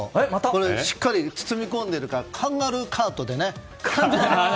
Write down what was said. しっかり包み込んでいるからカンガルーカートってね。